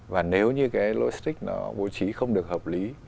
và nếu như cái lối stick nó bố trí không được hợp lý